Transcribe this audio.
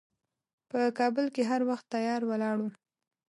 په کابل کې هر وخت تیار ولاړ و.